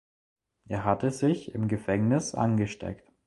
Er hatte sich im Gefängnis angesteckt.